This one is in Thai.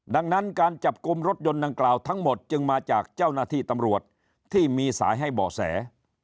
ดังนั้นการจับกลุ่มรถยนต์ดังกล่าวทั้งหมดจึงมาจากเจ้าหน้าที่ตำรวจที่มีสายให้เบาะแส